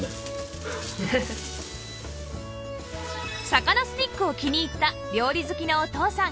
魚スティックを気に入った料理好きのお父さん